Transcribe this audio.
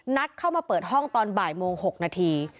นัดเข้ามาเปิดห้องตอนบ่ายโมง๖นาที